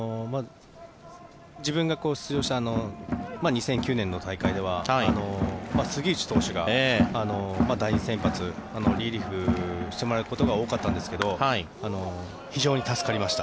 自分が出場した２００９年の大会では杉内投手が、第２先発リリーフしてもらうことが多かったんですが非常に助かりました。